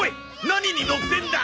何に乗ってんだ！？